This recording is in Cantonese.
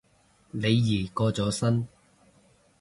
李怡過咗身